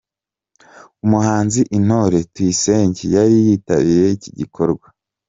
Umuhanzi Intore Tuyisenge yari yitabiriye iki gikorwa.